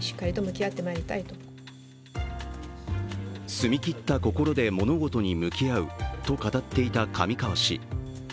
澄み切った心で物事に向き合うと語っていた上川氏。